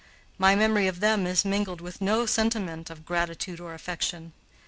My memory of them is mingled with no sentiment of gratitude or affection.